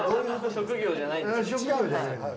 職業じゃないです。